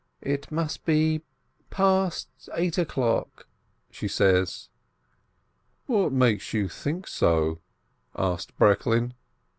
"It must be past eight o'clock," she says. "What makes you think so?" asks Breklin.